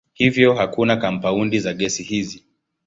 Hivyo hakuna kampaundi za gesi hizi.